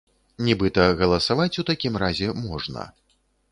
Нібыта галасаваць у такім разе можна.